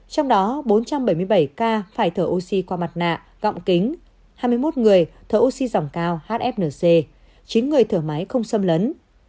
trong đó bốn trăm bảy mươi bảy ca phải thở oxy qua mặt nạ gọng kính hai mươi một người thở oxy dòng cao hfnc chín người thở máy không xâm lấn